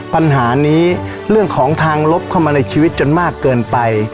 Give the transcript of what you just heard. ปัญหานี้เรื่องของทางลบเข้ามาในชีวิตจนมากเกินไป